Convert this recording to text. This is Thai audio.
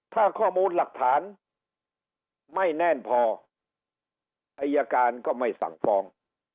ถ้าข้อมูลหลักฐานไม่แน่นพออายการก็ไม่สั่งฟ้อง